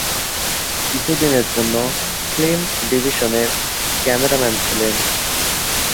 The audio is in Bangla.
কিছুদিনের জন্য 'ফিল্মস ডিভিশন'-এর ক্যামেরাম্যান ছিলেন।